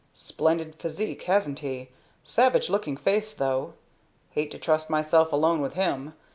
Splendid physique, hasn't he? Savage looking face, though. Hate to trust myself alone with him.